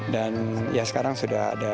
dan ya sekarang sudah ada tiga orang anak